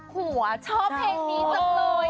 ไม่อยากพกหัวชอบเพลงนี้จับโดย